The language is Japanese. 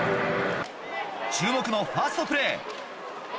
注目のファーストプレー。